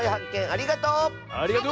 ありがとう！